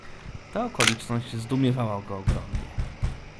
"Ta okoliczność zdumiewała go ogromnie."